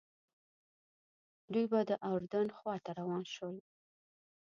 دوی به د اردن خواته روان شول.